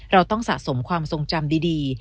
เราต้องสะสมความทรงจำดี